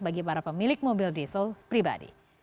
bagi para pemilik mobil diesel pribadi